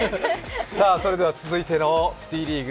それでは続いてのＤリーグ